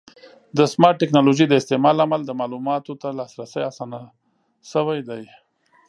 د سمارټ ټکنالوژۍ د استعمال له امله د معلوماتو ته لاسرسی اسانه شوی دی.